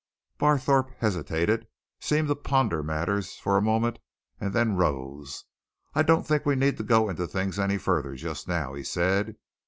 Barthorpe hesitated, seemed to ponder matters for a moment, and then rose. "I don't think we need go into things any further just now," he said.